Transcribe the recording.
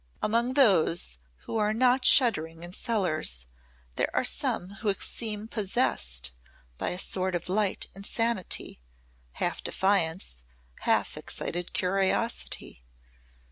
Among those who are not shuddering in cellars there are some who seem possessed by a sort of light insanity, half defiance, half excited curiosity.